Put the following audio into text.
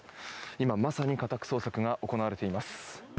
今まさに家宅捜索が行われています。